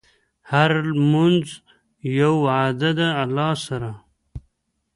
هره لمونځ یوه وعده ده د الله سره.